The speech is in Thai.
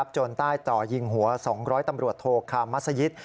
จนใต้ต่อยิงหัว๒๐๐ตำรวจโทคามัศยิต